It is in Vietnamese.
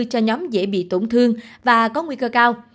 cho nhóm dễ bị tổn thương và có nguy cơ cao